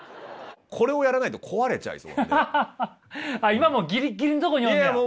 今もギリギリのとこにおんねや。